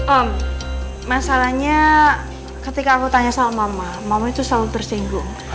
om masalahnya ketika aku tanya soal mama mama itu selalu tersenyum